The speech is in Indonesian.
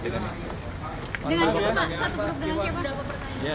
dengan siapa pak